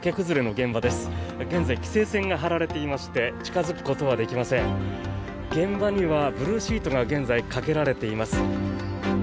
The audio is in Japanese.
現場にはブルーシートが現在、かけられています。